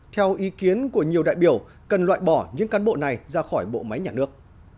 theo ý kiến của nhiều đại biểu cần loại bỏ những cán bộ này ra khỏi bộ máy nhà nước